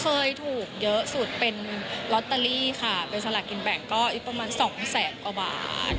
เคยถูกเยอะสุดเป็นลอตเตอรี่ค่ะเป็นสลากกินแบ่งก็อีกประมาณสองแสนกว่าบาท